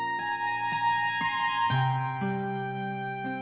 ya pak pak pakinya hilang betul